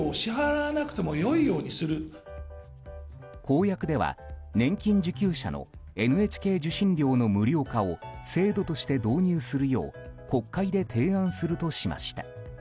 公約では年金受給者のＮＨＫ受信料の無料化を制度として導入するよう国会で提案するとしました。